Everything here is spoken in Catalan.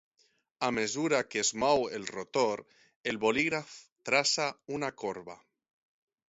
A mesura que es mou el rotor, el bolígraf traça una corba.